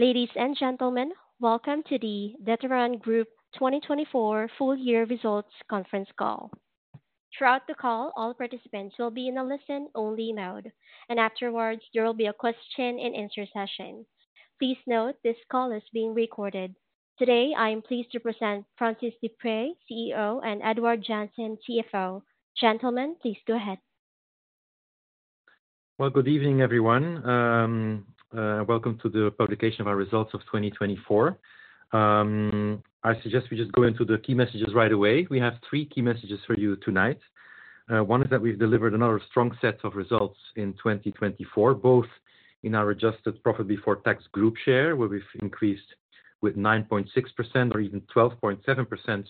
Ladies and gentlemen, welcome to the D'Ieteren Group 2024 full-year results conference call. Throughout the call, all participants will be in a listen-only mode, and afterwards, there will be a question-and-answer session. Please note this call is being recorded. Today, I am pleased to present Francis Deprez, CEO, and Édouard Janssen, CFO. Gentlemen, please go ahead. Good evening, everyone. Welcome to the publication of our results of 2024. I suggest we just go into the key messages right away. We have three key messages for you tonight. One is that we've delivered another strong set of results in 2024, both in our adjusted profit before tax group share, where we've increased with 9.6% or even 12.7%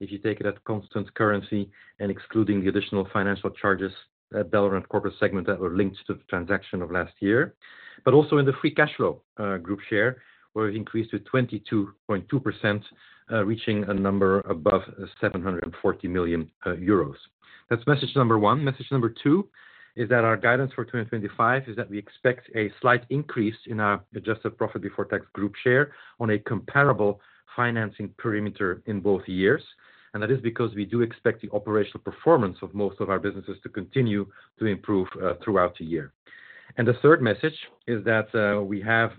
if you take it at constant currency and excluding the additional financial charges at Belron and corporate segment that were linked to the transaction of last year. Also in the free cash flow, group share, we've increased to 22.2%, reaching a number above 740 million euros. That's message number one. Message number two is that our guidance for 2025 is that we expect a slight increase in our adjusted profit before tax group share on a comparable financing perimeter in both years. That is because we do expect the operational performance of most of our businesses to continue to improve throughout the year. The third message is that we have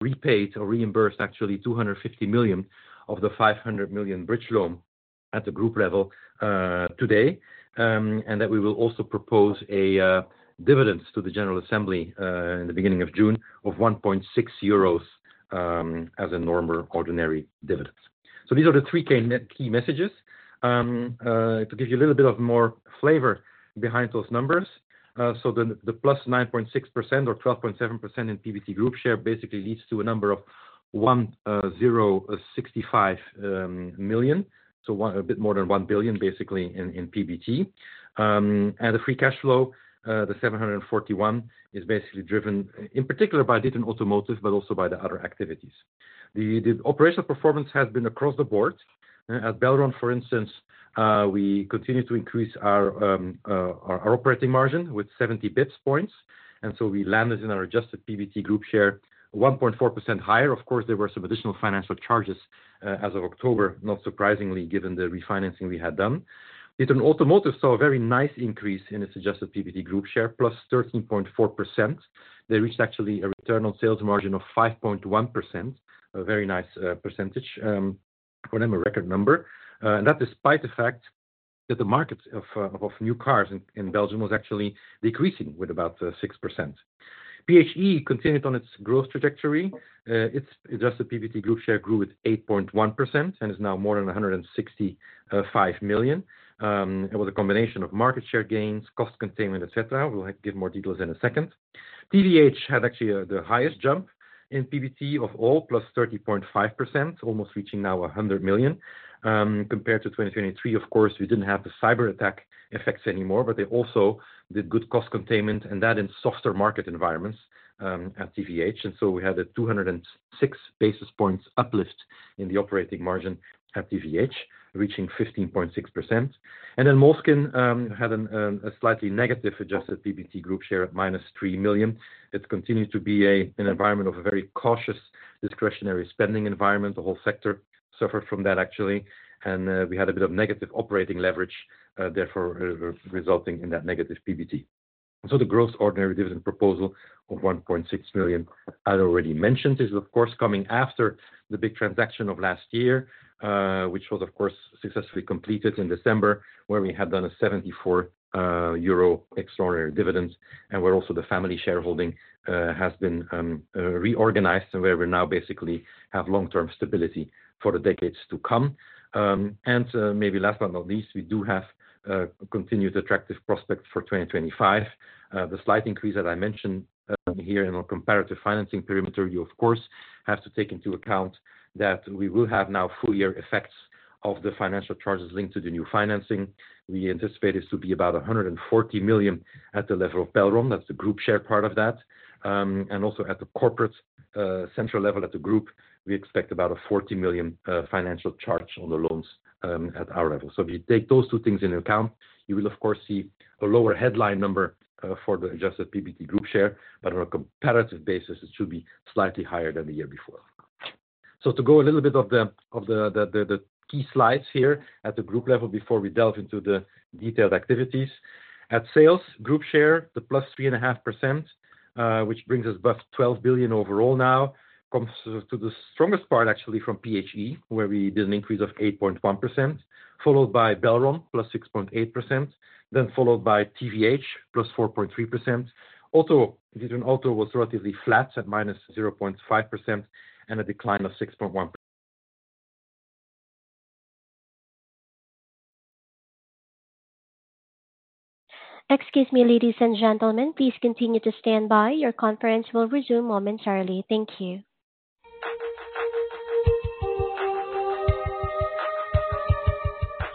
repaid or reimbursed, actually, 250 million of the 500 million bridge loan at the group level today, and that we will also propose a dividend to the General Assembly in the beginning of June of 1.6 euros as a normal, ordinary dividend. These are the three key messages. To give you a little bit more flavor behind those numbers, the +9.6% or 12.7% in PBT group share basically leads to a number of 1,065 billion, so a bit more than 1 billion, basically, in PBT. The free cash flow, the 741, is basically driven in particular by D'Ieteren Automotive, but also by the other activities. The operational performance has been across the board. At Belron, for instance, we continue to increase our operating margin with 70 basis points, and so we landed in our adjusted PBT group share 1.4% higher. Of course, there were some additional financial charges, as of October, not surprisingly, given the refinancing we had done. D'Ieteren Automotive saw a very nice increase in its adjusted PBT group share, +13.4%. They reached, actually, a return on sales margin of 5.1%, a very nice percentage for them, a record number, and that despite the fact that the market of new cars in Belgium was actually decreasing with about 6%. PHE continued on its growth trajectory. Its adjusted PBT group share grew with 8.1% and is now more than 165 million. It was a combination of market share gains, cost containment, etc. We'll give more details in a second. TVH had actually the highest jump in PBT of all, +30.5%, almost reaching now 100 million. Compared to 2023, of course, we did not have the cyber attack effects anymore, but they also did good cost containment, and that in softer market environments, at TVH. We had a 206 basis points uplift in the operating margin at TVH, reaching 15.6%. Moleskine had a slightly negative adjusted PBT group share at -3 million. It has continued to be an environment of a very cautious discretionary spending environment. The whole sector suffered from that, actually, and we had a bit of negative operating leverage, therefore resulting in that negative PBT. The gross ordinary dividend proposal of 1.6 million, as already mentioned, is, of course, coming after the big transaction of last year, which was, of course, successfully completed in December, where we had done a 74 million euro extraordinary dividend, and where also the family shareholding has been reorganized and where we now basically have long-term stability for the decades to come. Maybe last but not least, we do have continued attractive prospects for 2025. The slight increase that I mentioned here in our comparative financing perimeter, you, of course, have to take into account that we will have now full-year effects of the financial charges linked to the new financing. We anticipate it to be about 140 million at the level of Belron. That's the group share part of that. Also at the corporate, central level at the group, we expect about 40 million financial charge on the loans at our level. If you take those two things into account, you will, of course, see a lower headline number for the adjusted PBT group share, but on a comparative basis, it should be slightly higher than the year before. To go a little bit into the key slides here at the group level before we delve into the detailed activities, at sales group share, the +3.5%, which brings us above 12 billion overall now, comes to the strongest part, actually, from PHE, where we did an increase of 8.1%, followed by Belron, +6.8%, then followed by TVH, +4.3%. Also, D'Ieteren Automotive was relatively flat at -0.5% and a decline of 6.1%. Excuse me, ladies and gentlemen, please continue to stand by. Your conference will resume momentarily. Thank you.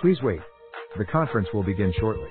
Please wait. The conference will begin shortly.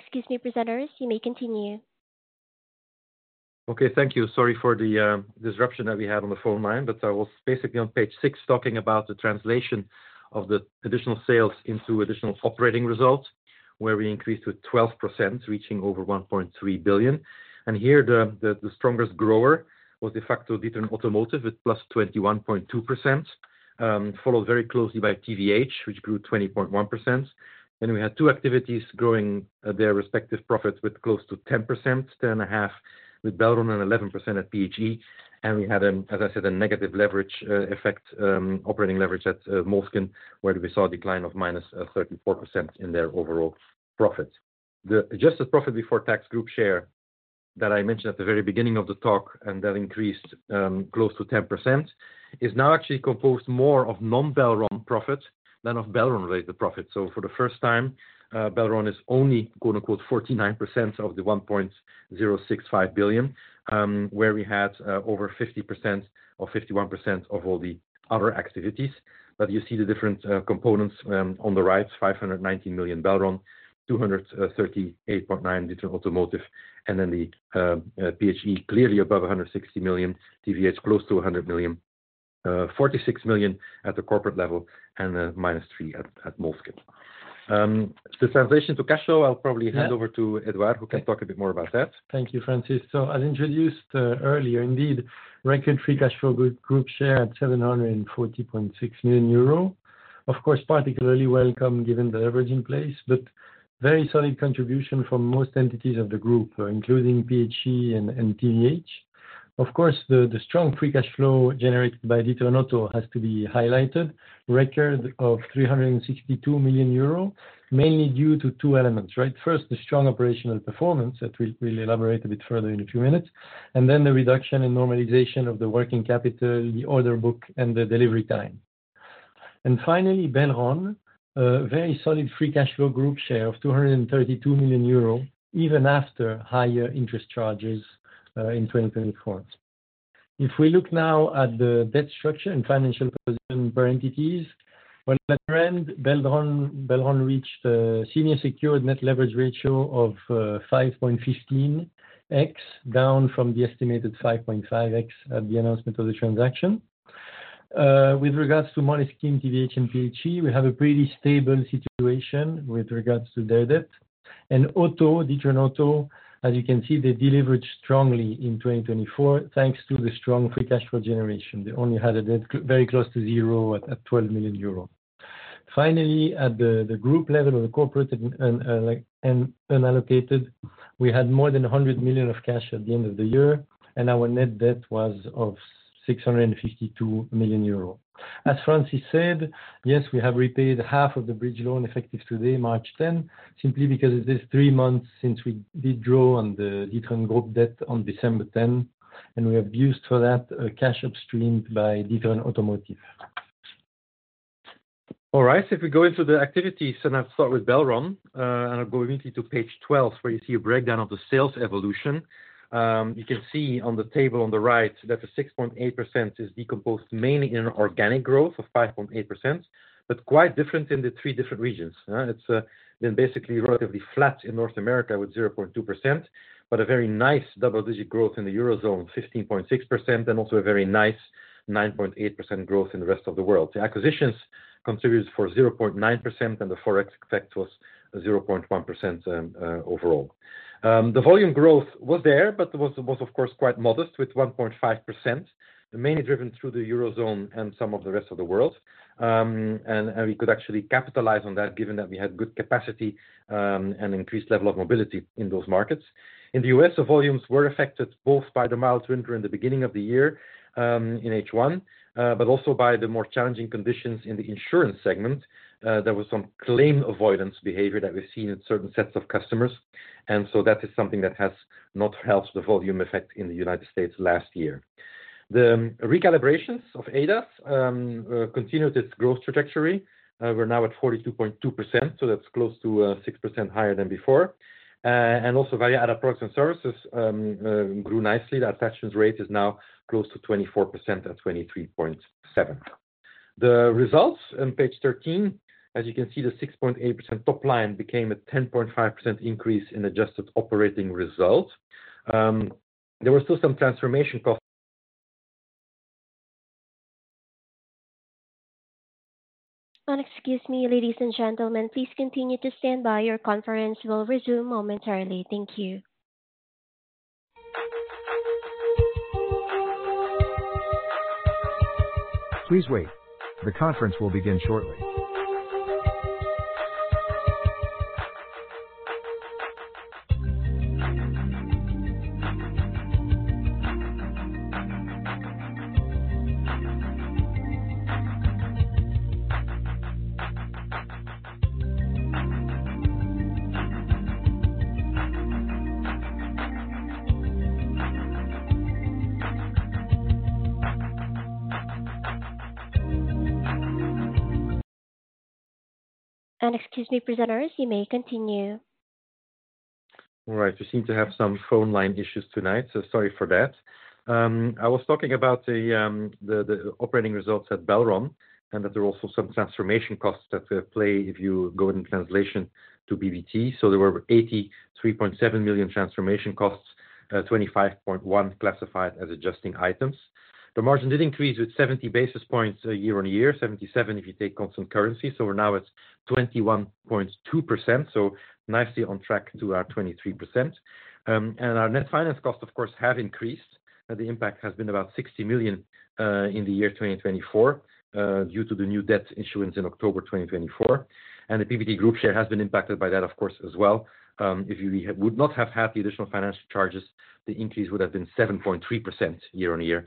Excuse me, presenters. You may continue. Okay, thank you. Sorry for the disruption that we had on the phone line, but I was basically on page six talking about the translation of the additional sales into additional operating results, where we increased with 12%, reaching over 1.3 billion. Here, the strongest grower was de facto D'Ieteren Automotive with +21.2%, followed very closely by TVH, which grew 20.1%. We had two activities growing their respective profits with close to 10%, 10.5% with Belron and 11% at PHE. We had, as I said, a negative leverage effect, operating leverage at Moleskine, where we saw a decline of - 34% in their overall profits. The adjusted profit before tax group share that I mentioned at the very beginning of the talk, and that increased close to 10%, is now actually composed more of non-Belron profit than of Belron-related profit. For the first time, Belron is only 49% of the 1.065 billion, where we had over 50% or 51% of all the other activities. You see the different components on the right: 519 million Belron, 238.9 million D'Ieteren Automotive, and then PHE clearly above 160 million, TVH close to 100 million, 46 million at the corporate level, and -3 at Moleskine. The translation to cash flow, I'll probably hand over to Édouard, who can talk a bit more about that. Thank you, Francis. As introduced earlier, indeed, record free cash flow group share at 740.6 million euro, of course, particularly welcome given the leverage in place, but very solid contribution from most entities of the group, including PHE and TVH. Of course, the strong free cash flow generated by D'Ieteren Auto has to be highlighted: record of 362 million euro, mainly due to two elements, right? First, the strong operational performance that we'll elaborate a bit further in a few minutes, and then the reduction and normalization of the working capital, the order book, and the delivery time. Finally, Belron, a very solid free cash flow group share of 232 million euro, even after higher interest charges, in 2024. If we look now at the debt structure and financial position per entities, well, at the end, Belron reached a senior secured net leverage ratio of 5.15x, down from the estimated 5.5x at the announcement of the transaction. With regards to Moleskine, TVH, and PHE, we have a pretty stable situation with regards to their debt. And Auto, D'Ieteren Auto, as you can see, they delivered strongly in 2024, thanks to the strong free cash flow generation. They only had a debt very close to zero at 12 million euros. Finally, at the group level of the corporate and unallocated, we had more than 100 million of cash at the end of the year, and our net debt was of 652 million euro. As Francis said, yes, we have repaid half of the bridge loan effective today, March 10, simply because it is three months since we did draw on the D'Ieteren Group debt on December 10, and we have used for that a cash upstream by D'Ieteren Automotive. All right, if we go into the activities, and I'll start with Belron, and I'll go immediately to page 12, where you see a breakdown of the sales evolution. You can see on the table on the right that the 6.8% is decomposed mainly in an organic growth of 5.8%, but quite different in the three different regions. It's been basically relatively flat in North America with 0.2%, but a very nice double-digit growth in the eurozone, 15.6%, and also a very nice 9.8% growth in the rest of the world. The acquisitions contributed for 0.9%, and the forex effect was 0.1% overall. The volume growth was there, but was, of course, quite modest with 1.5%, mainly driven through the eurozone and some of the rest of the world. We could actually capitalize on that, given that we had good capacity, and increased level of mobility in those markets. In the U.S., the volumes were affected both by the mild winter in the beginning of the year, in H1, but also by the more challenging conditions in the insurance segment. There was some claim avoidance behavior that we've seen in certain sets of customers, and so that is something that has not helped the volume effect in the United States last year. The recalibrations of ADAS continued its growth trajectory. We're now at 42.2%, so that's close to 6% higher than before. Also, Varia Added Products and Services grew nicely. The attachment rate is now close to 24% at 23.7%. The results on page 13, as you can see, the 6.8% top line became a 10.5% increase in adjusted operating result. There were still some transformation costs. Excuse me, ladies and gentlemen, please continue to stand by. Your conference will resume momentarily. Thank you. Please wait. The conference will begin shortly. Excuse me, presenters, you may continue. All right, we seem to have some phone line issues tonight, so sorry for that. I was talking about the operating results at Belron and that there are also some transformation costs that play if you go in translation to PBT. There were 83.7 million transformation costs, 25.1 classified as adjusting items. The margin did increase with 70 basis points year-on-year, 77 if you take constant currency, so we're now at 21.2%, so nicely on track to our 23%. Our net finance costs, of course, have increased. The impact has been about 60 million in the year 2024, due to the new debt issuance in October 2024. The PBT group share has been impacted by that, of course, as well. If we would not have had the additional financial charges, the increase would have been 7.3% year-on-year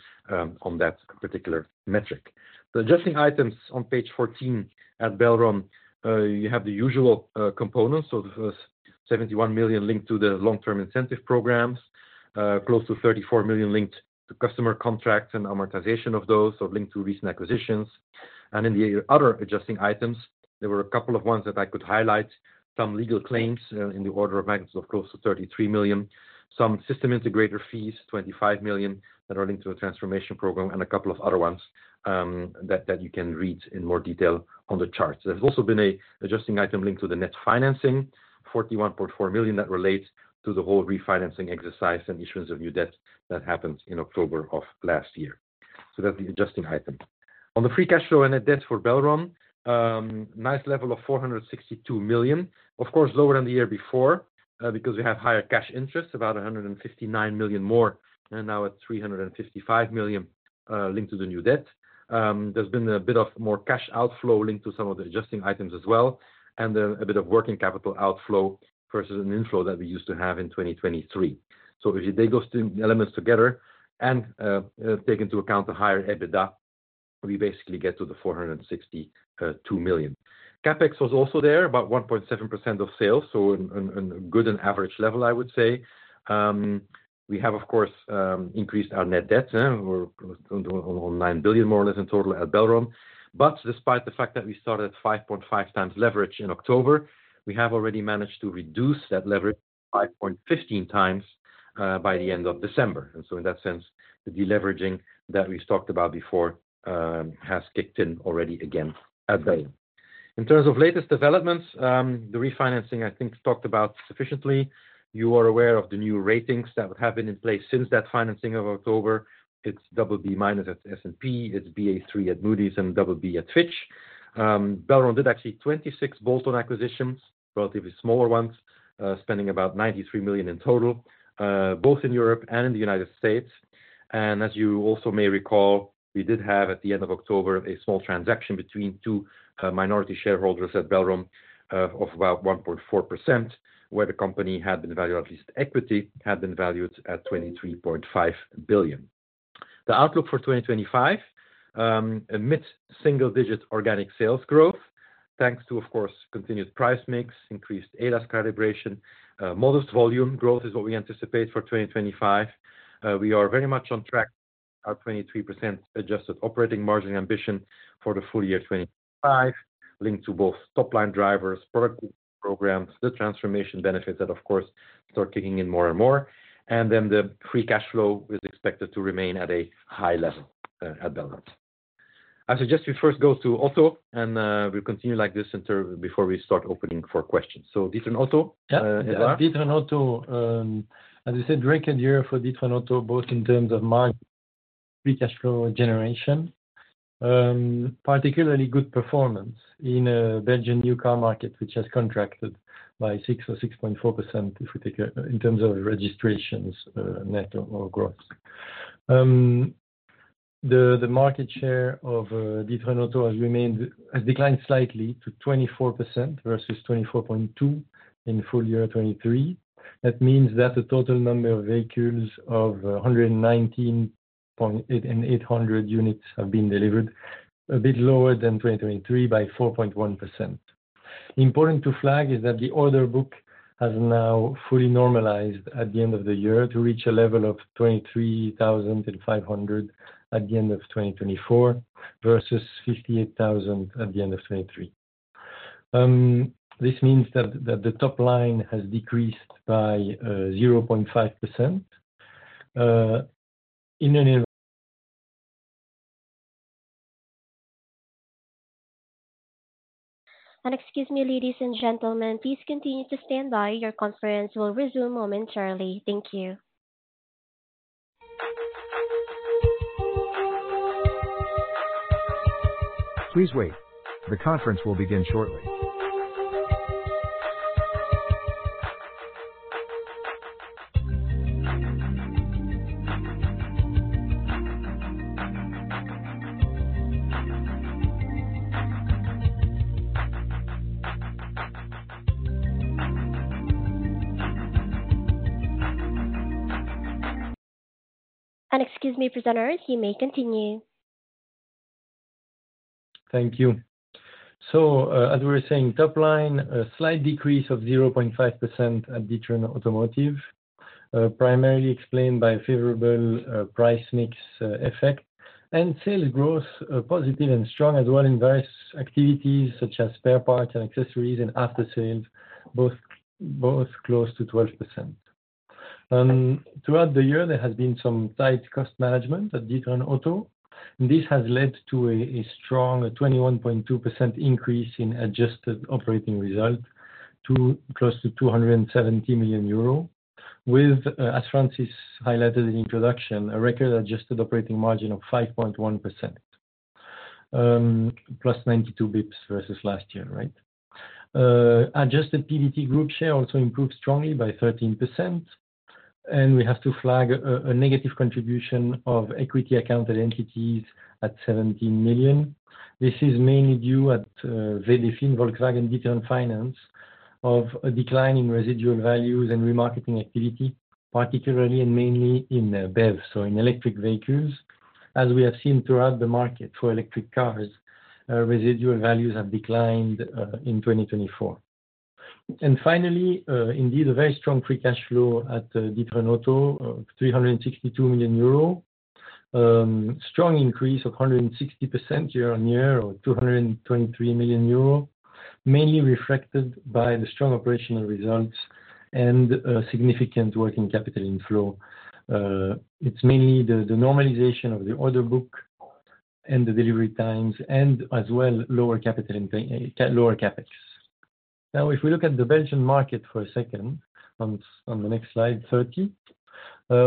on that particular metric. The adjusting items on page 14 at Belron, you have the usual components. The first 71 million linked to the long-term incentive programs, close to 34 million linked to customer contracts and amortization of those, so linked to recent acquisitions. In the other adjusting items, there were a couple of ones that I could highlight: some legal claims in the order of magnitude of close to 33 million, some system integrator fees, 25 million that are linked to a transformation program, and a couple of other ones that you can read in more detail on the chart. There has also been an adjusting item linked to the net financing, 41.4 million that relates to the whole refinancing exercise and issuance of new debt that happened in October of last year. That is the adjusting item. On the free cash flow and net debt for Belron, nice level of 462 million, of course, lower than the year before, because we have higher cash interest, about 159 million more, and now at 355 million, linked to the new debt. There has been a bit of more cash outflow linked to some of the adjusting items as well, and then a bit of working capital outflow versus an inflow that we used to have in 2023. If you take those two elements together and take into account the higher EBITDA, we basically get to the 462 million. CapEx was also there, about 1.7% of sales, so a good and average level, I would say. We have, of course, increased our net debt, or on 9 billion more or less in total at Belron. Despite the fact that we started at 5.5x leverage in October, we have already managed to reduce that leverage to 5.15x by the end of December. In that sense, the deleveraging that we've talked about before has kicked in already again at Belron. In terms of latest developments, the refinancing, I think, talked about sufficiently. You are aware of the new ratings that have been in place since that financing of October. It's BB- at S&P, it's Ba3 at Moody's, and BB at Fitch. Belron did actually 26 bolt-on acquisitions, relatively smaller ones, spending about 93 million in total, both in Europe and in the United States. As you also may recall, we did have at the end of October a small transaction between two minority shareholders at Belron, of about 1.4%, where the company had been valued, at least equity had been valued, at 23.5 billion. The outlook for 2025, a mid-single-digit organic sales growth, thanks to, of course, continued price mix, increased ADAS calibration, modest volume growth is what we anticipate for 2025. We are very much on track with our 23% adjusted operating margin ambition for the full year 2025, linked to both top-line drivers, product programs, the transformation benefits that, of course, start kicking in more and more. The free cash flow is expected to remain at a high level at Belron. I suggest we first go to Otto, and we'll continue like this until before we start opening for questions. D'Ieteren Automotive, Édouard? Yeah, D'Ieteren Auto, as you said, record year for D'Ieteren Auto, both in terms of margin and free cash flow generation, particularly good performance in a Belgian new car market, which has contracted by 6% or 6.4% if we take in terms of registrations, net or gross. The market share of D'Ieteren Auto has declined slightly to 24% versus 24.2% in full year 2023. That means that the total number of vehicles of 119,800 units have been delivered, a bit lower than 2023 by 4.1%. Important to flag is that the order book has now fully normalized at the end of the year to reach a level of 23,500 at the end of 2024 versus 58,000 at the end of 2023. This means that the top line has decreased by 0.5%. Excuse me, ladies and gentlemen, please continue to stand by. Your conference will resume momentarily. Thank you. Please wait. The conference will begin shortly. Excuse me, presenters, you may continue. Thank you. As we were saying, top line, a slight decrease of 0.5% at D'Ieteren Automotive, primarily explained by a favorable price mix effect, and sales growth, positive and strong as well in various activities such as spare parts and accessories and after-sales, both close to 12%. Throughout the year, there has been some tight cost management at D'Ieteren Automotive, and this has led to a strong 21.2% increase in adjusted operating result to close to 270 million euro, with, as Francis highlighted in introduction, a record adjusted operating margin of 5.1%, +92 basis points versus last year, right? Adjusted PBT group share also improved strongly by 13%, and we have to flag a negative contribution of equity-accounted entities at 17 million. This is mainly due at VDFin Volkswagen D'Ieteren Finance of a decline in residual values and remarketing activity, particularly and mainly in BEVs, so in electric vehicles. As we have seen throughout the market for electric cars, residual values have declined, in 2024. Finally, indeed, a very strong free cash flow at D'Ieteren Auto, 362 million euro, strong increase of 160% year-on-year, or 223 million euro, mainly reflected by the strong operational results and significant working capital inflow. It's mainly the normalization of the order book and the delivery times, and as well, lower capital and lower CapEx. Now, if we look at the Belgian market for a second, on the next slide, 30,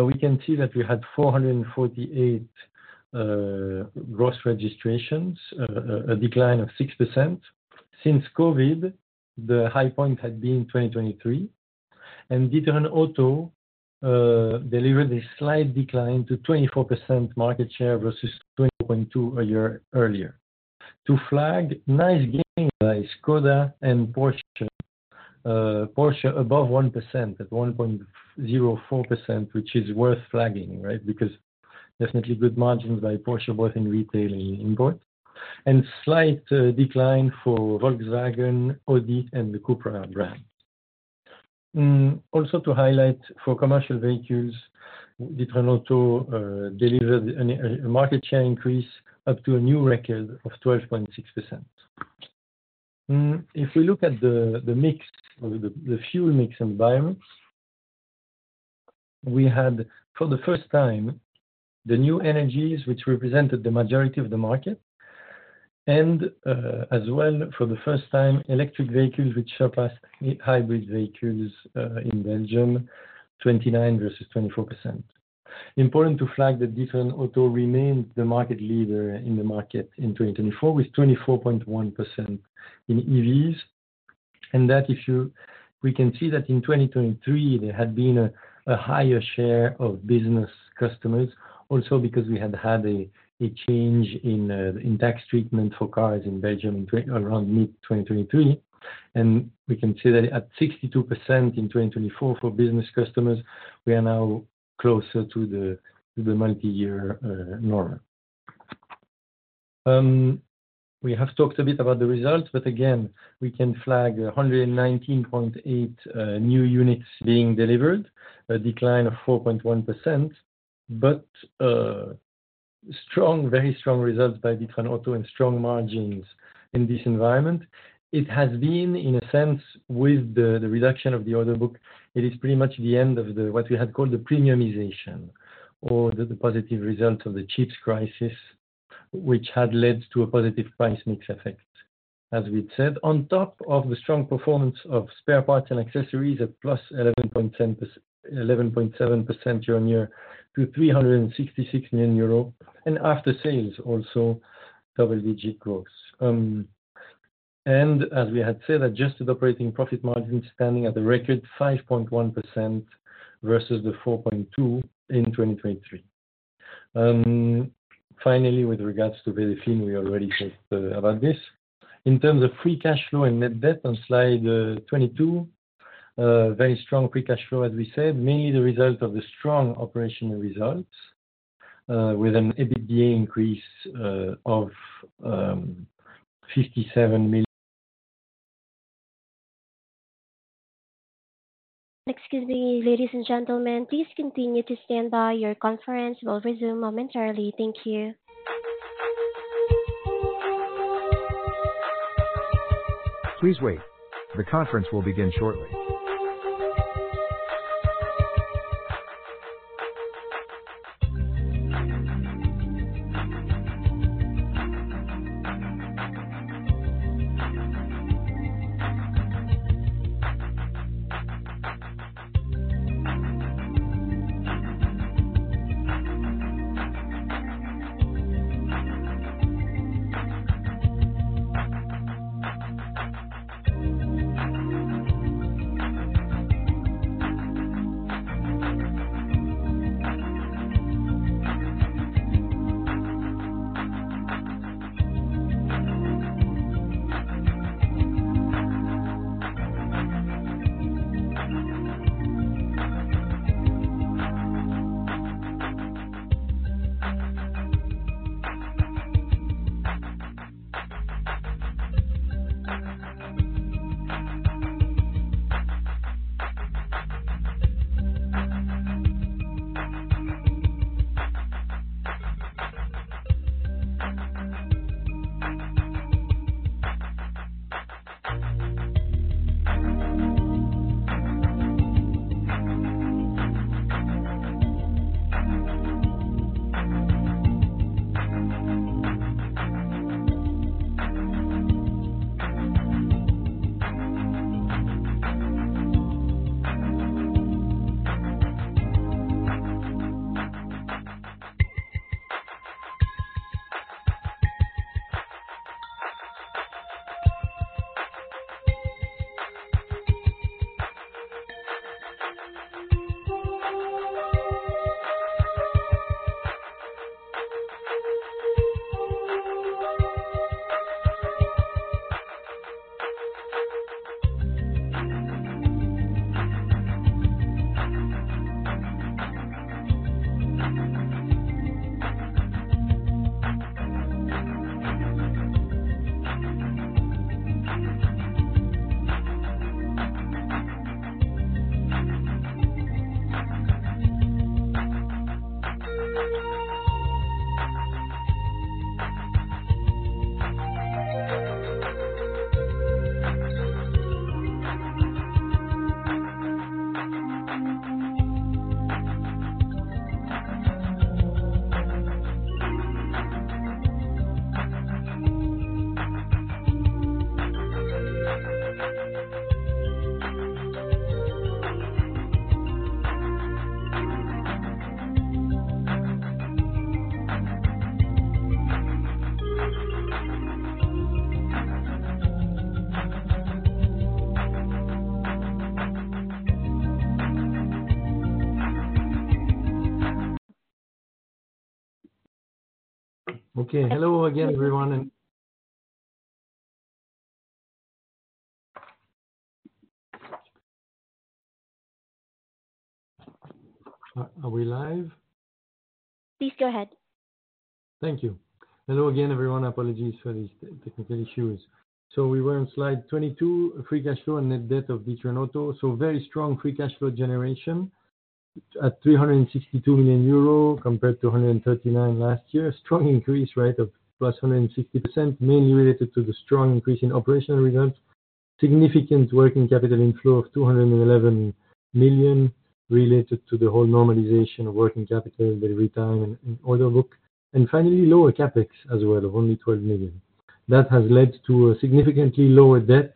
we can see that we had 448,000 gross registrations, a decline of 6%. Since COVID, the high point had been 2023, and D'Ieteren Auto delivered a slight decline to 24% market share versus 24.2% a year earlier. To flag, nice gain by Škoda and Porsche, Porsche above 1% at 1.04%, which is worth flagging, right? Because definitely good margins by Porsche, both in retail and in import, and slight decline for Volkswagen, Audi, and the Cupra brand. Also to highlight for commercial vehicles, D'Ieteren Auto delivered a market share increase up to a new record of 12.6%. If we look at the mix of the fuel mix environment, we had for the first time the new energies, which represented the majority of the market, and, as well, for the first time, electric vehicles, which surpassed hybrid vehicles, in Belgium, 29% versus 24%. Important to flag that D'Ieteren Automotive remained the market leader in the market in 2024 with 24.1% in EVs, and that if you can see that in 2023, there had been a higher share of business customers, also because we had a change in tax treatment for cars in Belgium around mid-2023, and we can see that at 62% in 2024 for business customers, we are now closer to the multi-year norm. We have talked a bit about the results, but again, we can flag 119,800 new units being delivered, a decline of 4.1%, but strong, very strong results by D'Ieteren Automotive and strong margins in this environment. It has been, in a sense, with the reduction of the order book, it is pretty much the end of what we had called the premiumization or the positive results of the chips crisis, which had led to a positive price mix effect, as we'd said. On top of the strong performance of spare parts and accessories, at +11.7% year-on-year to EUR 366 million, and after-sales also double-digit growth. As we had said, adjusted operating profit margin standing at a record 5.1% versus the 4.2% in 2023. Finally, with regards to VDFin, we already talked about this. In terms of free cash flow and net debt on slide 22, very strong free cash flow, as we said, mainly the result of the strong operational results, with an EBITDA increase of EUR 57 million. Excuse me, ladies and gentlemen, please continue to stand by. Your conference will resume momentarily. Thank you. Please wait. The conference will begin shortly. Okay, hello again, everyone, and are we live? Please go ahead. Thank you. Hello again, everyone. Apologies for these technical issues. We were on slide 22, free cash flow and net debt of D'Ieteren Auto. Very strong free cash flow generation at 362 million euro compared to 139 million last year, a strong increase, right, of +160%, mainly related to the strong increase in operational results, significant working capital inflow of 211 million related to the whole normalization of working capital and the retime and order book, and finally, lower CapEx as well of only 12 million. That has led to a significantly lower debt,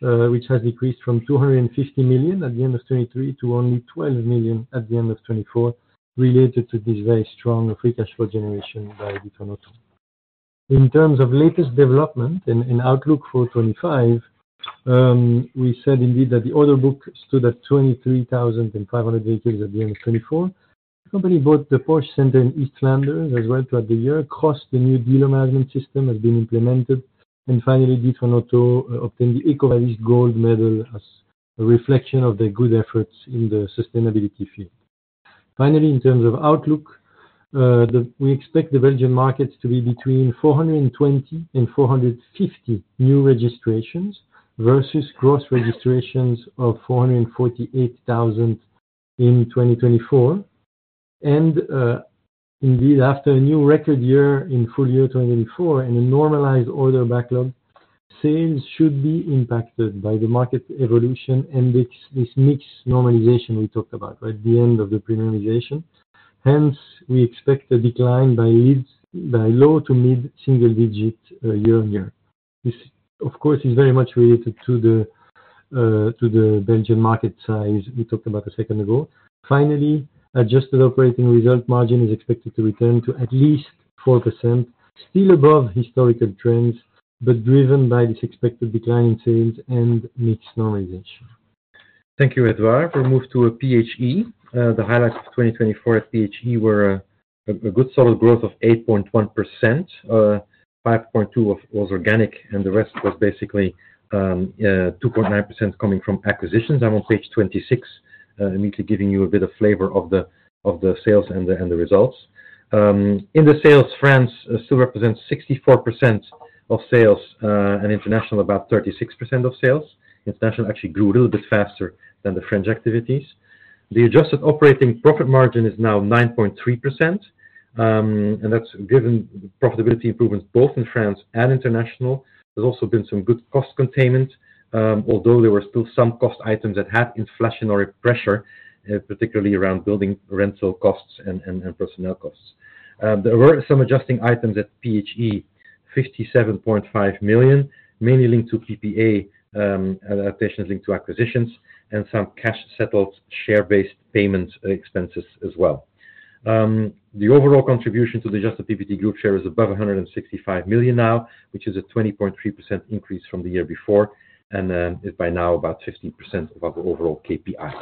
which has decreased from 250 million at the end of 2023 to only 12 million at the end of 2024, related to this very strong free cash flow generation by D'Ieteren Auto. In terms of latest development and outlook for 2025, we said indeed that the order book stood at 23,500 vehicles at the end of 2024. The company bought the Porsche Center Eastlanders as well throughout the year, cross the new dealer management system has been implemented, and finally, D'Ieteren Automotive obtained the EcoBalise gold medal as a reflection of their good efforts in the sustainability field. Finally, in terms of outlook, we expect the Belgian markets to be between 420,000 and 450,000 new registrations versus gross registrations of 448,000 in 2024. Indeed, after a new record year in full year 2024 and a normalized order backlog, sales should be impacted by the market evolution and this mixed normalization we talked about at the end of the premiumization. Hence, we expect a decline by low to mid single digit year-on-year. This, of course, is very much related to the, to the Belgian market size we talked about a second ago. Finally, adjusted operating result margin is expected to return to at least 4%, still above historical trends, but driven by this expected decline in sales and mixed normalization. Thank you, Édouard. We'll move to PHE. The highlights of 2024 at PHE were a good solid growth of 8.1%. 5.2% was organic, and the rest was basically 2.9% coming from acquisitions. I'm on page 26, immediately giving you a bit of flavor of the sales and the results. In the sales, France still represents 64% of sales, and international about 36% of sales. International actually grew a little bit faster than the French activities. The adjusted operating profit margin is now 9.3%, and that's given profitability improvements both in France and international. There's also been some good cost containment, although there were still some cost items that had inflationary pressure, particularly around building rental costs and personnel costs. There were some adjusting items at PHE, 57.5 million, mainly linked to PPA, adaptations linked to acquisitions, and some cash-settled share-based payment expenses as well. The overall contribution to the adjusted PBT group share is above 165 million now, which is a 20.3% increase from the year before, and is by now about 15% of our overall KPI.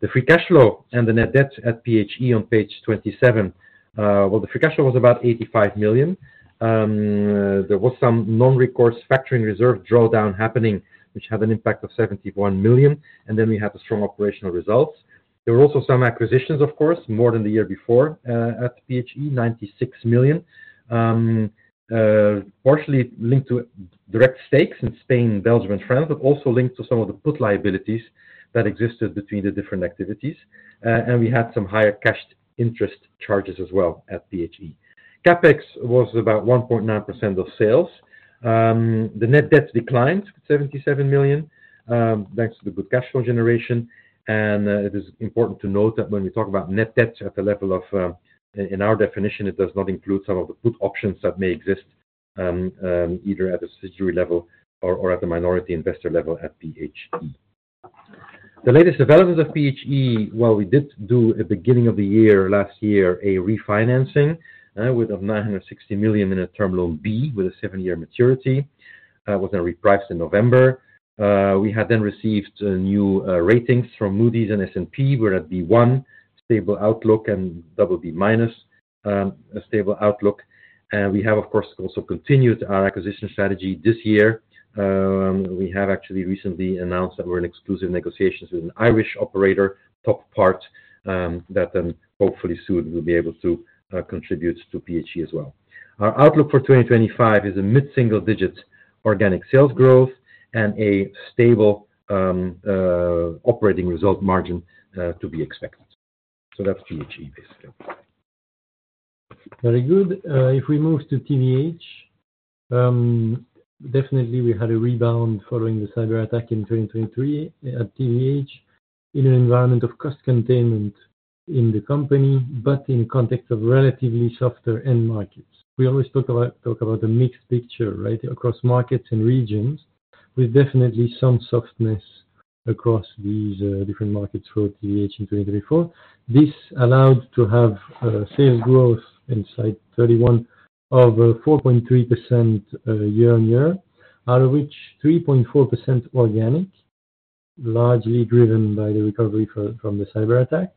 The free cash flow and the net debt at PHE on page 27, the free cash flow was about 85 million. There was some non-recourse factoring reserve drawdown happening, which had an impact of 71 million, and then we had the strong operational results. There were also some acquisitions, of course, more than the year before, at PHE, 96 million, partially linked to direct stakes in Spain, Belgium, and France, but also linked to some of the put liabilities that existed between the different activities. We had some higher cashed interest charges as well at PHE. CapEx was about 1.9% of sales. The net debt declined to 77 million, thanks to the good cash flow generation. It is important to note that when we talk about net debt at the level of, in our definition, it does not include some of the put options that may exist, either at the subsidiary level or at the minority investor level at PHE. The latest development of PHE, we did do at the beginning of the year last year a refinancing, with a 960 million in a term loan B with a seven-year maturity. It was then repriced in November. We had then received new ratings from Moody's and S&P. We're at B1, stable outlook, and BB-, a stable outlook. We have, of course, also continued our acquisition strategy this year. We have actually recently announced that we're in exclusive negotiations with an Irish operator, Top Part, that then hopefully soon will be able to contribute to PHE as well. Our outlook for 2025 is a mid-single digit organic sales growth and a stable operating result margin, to be expected. That is PHE, basically. Very good. If we move to TVH, definitely we had a rebound following the cyber attack in 2023 at TVH in an environment of cost containment in the company, but in the context of relatively softer end markets. We always talk about a mixed picture, right, across markets and regions, with definitely some softness across these different markets for TVH in 2024. This allowed to have sales growth in slide 31 of 4.3% year-on-year, out of which 3.4% organic, largely driven by the recovery from the cyber attack,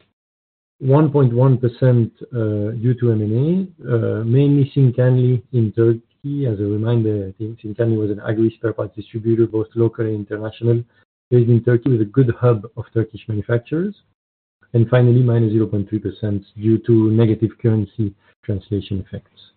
1.1% due to M&A, mainly Sincanlı in Turkey. As a reminder, Sincanlı was an agri spare parts distributor, both local and international. Based in Turkey, with a good hub of Turkish manufacturers. Finally, -0.3% due to negative currency translation effects.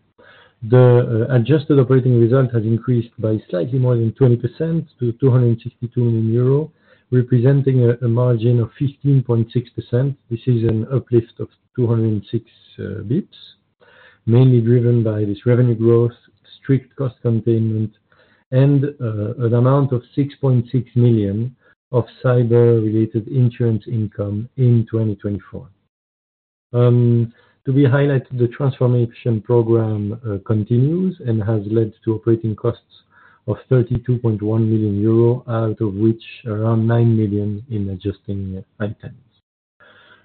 The adjusted operating result has increased by slightly more than 20% to 262 million euro, representing a margin of 15.6%. This is an uplift of 206 basis points, mainly driven by this revenue growth, strict cost containment, and an amount of 6.6 million of cyber-related insurance income in 2024. To be highlighted, the transformation program continues and has led to operating costs of 32.1 million euro, out of which around 9 million in adjusting items.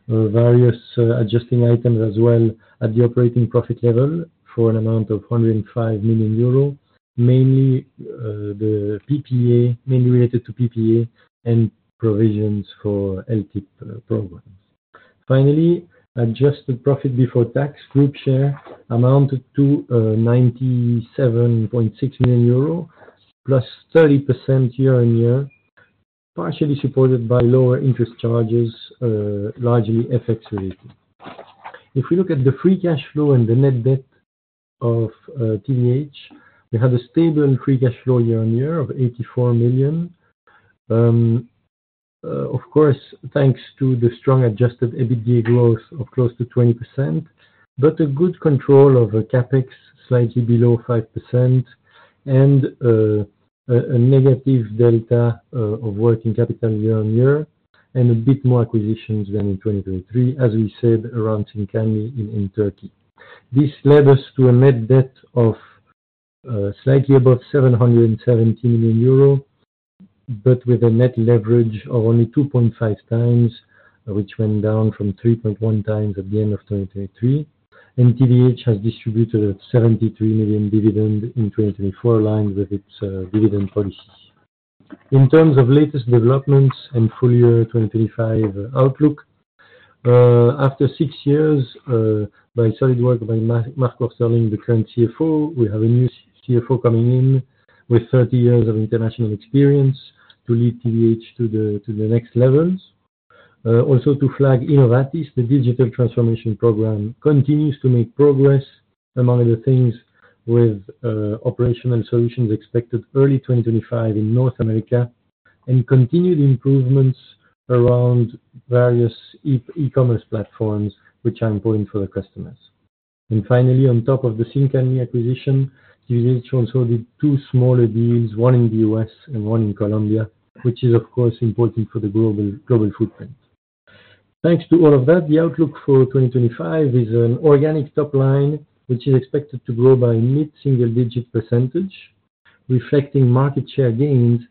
Various adjusting items as well at the operating profit level for an amount of 105 million euro, mainly, the PPA, mainly related to PPA and provisions for LTIP programs. Finally, adjusted profit before tax group share amounted to 97.6 million euro, +30% year-on-year, partially supported by lower interest charges, largely FX-related. If we look at the free cash flow and the net debt of TVH, we had a stable and free cash flow year-on-year of 84 million. Of course, thanks to the strong adjusted EBITDA growth of close to 20%, but a good control of CapEx slightly below 5% and a negative delta of working capital year-on-year and a bit more acquisitions than in 2023, as we said, around Sincanlı in Turkey. This led us to a net debt of slightly above 770 million euro, but with a net leverage of only 2.5x, which went down from 3.1x at the end of 2023. TVH has distributed a 73 million dividend in 2024, aligned with its dividend policy. In terms of latest developments and full year 2025 outlook, after six years, by solid work by Marco Sterling, the current CFO, we have a new CFO coming in with 30 years of international experience to lead TVH to the next levels. Also to flag Innovatis, the digital transformation program continues to make progress among other things with operational solutions expected early 2025 in North America and continued improvements around various e-commerce platforms, which are important for the customers. Finally, on top of the Sincanlı acquisition, TVH also did two smaller deals, one in the U.S. and one in Colombia, which is, of course, important for the global global footprint. Thanks to all of that, the outlook for 2025 is an organic top line, which is expected to grow by mid single digit %, reflecting market share gains,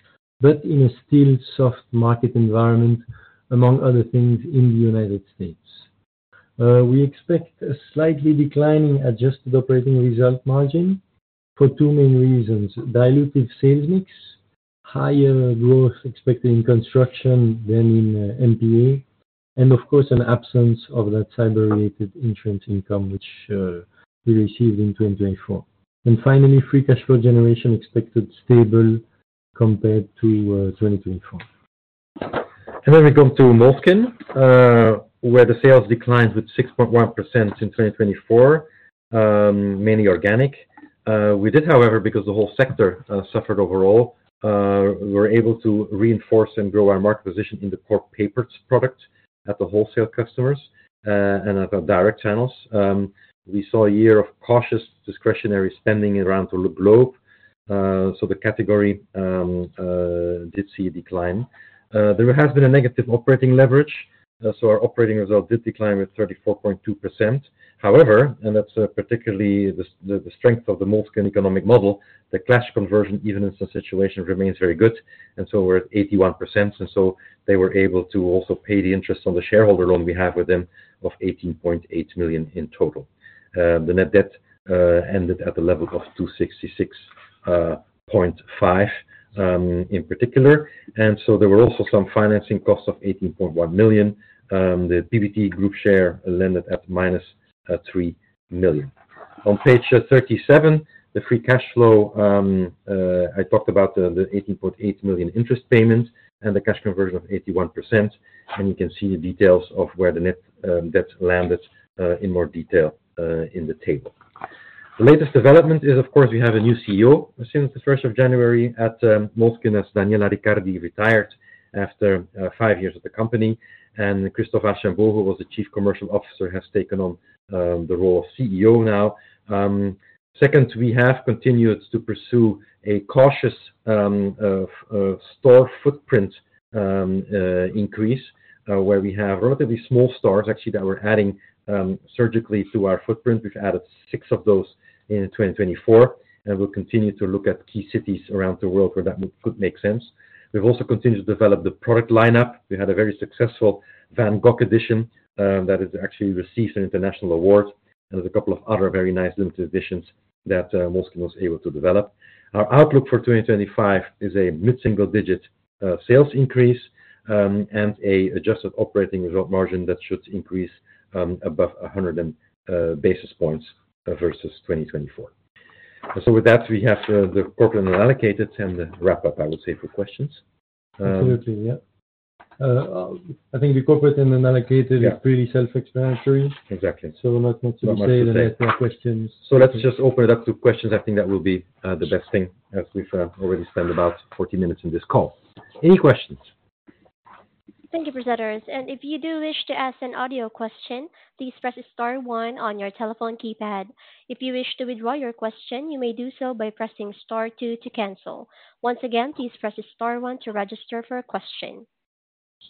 but in a still soft market environment, among other things, in the United States. We expect a slightly declining adjusted operating result margin for two main reasons: dilutive sales mix, higher growth expected in construction than in MPA, and, of course, an absence of that cyber-related insurance income, which we received in 2024. Finally, free cash flow generation expected stable compared to 2024. We come to Moleskine, where the sales declined with 6.1% in 2024, mainly organic. We did, however, because the whole sector suffered overall, we were able to reinforce and grow our market position in the core papers product at the wholesale customers, and at our direct channels. We saw a year of cautious discretionary spending around the globe. The category did see a decline. There has been a negative operating leverage, so our operating result did decline with 34.2%. However, and that's particularly the strength of the Moleskine economic model, the cash conversion, even in some situations, remains very good. We are at 81%. They were able to also pay the interest on the shareholder loan we have with them of 18.8 million in total. The net debt ended at the level of 266.5 million, in particular. There were also some financing costs of 18.1 million. The PBT group share landed at -3 million. On page 37, the free cash flow, I talked about the 18.8 million interest payment and the cash conversion of 81%. You can see the details of where the net debt landed, in more detail, in the table. The latest development is, of course, we have a new CEO since the 1st of January at Moleskine. Daniela Riccardi retired after five years at the company. Christophe Archaimbault, who was the Chief Commercial Officer, has taken on the role of CEO now. Second, we have continued to pursue a cautious store footprint increase, where we have relatively small stores, actually, that we're adding surgically to our footprint. We've added six of those in 2024, and we'll continue to look at key cities around the world where that could make sense. We've also continued to develop the product lineup. We had a very successful Van Gogh edition that has actually received an international award, and there's a couple of other very nice limited editions that Moleskine was able to develop. Our outlook for 2025 is a mid-single digit sales increase, and an adjusted operating result margin that should increase above 100 basis points versus 2024. With that, we have the corporate and allocated, and the wrap-up, I would say, for questions. Absolutely, yeah. I think the corporate and allocated is pretty self-explanatory. Exactly. We are not too much to say in the questions. Let's just open it up to questions. I think that will be the best thing, as we have already spent about 40 minutes in this call. Any questions? Thank you, presenters. If you do wish to ask an audio question, please press star one on your telephone keypad. If you wish to withdraw your question, you may do so by pressing star two to cancel. Once again, please press star one to register for a question.